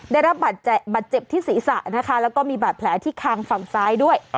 ได้รับบาดเจ็บที่ศีรษะนะคะแล้วก็มีบาดแผลที่คางฝั่งซ้ายด้วย